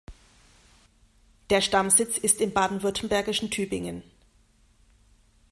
Der Stammsitz ist im baden-württembergischen Tübingen.